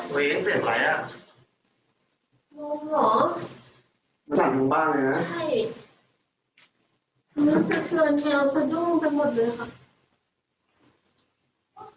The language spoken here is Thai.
เฮ้ยเสียงอะไรอ่ะ